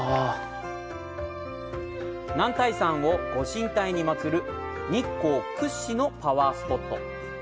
男体山を御神体に祭る日光屈指のパワースポット。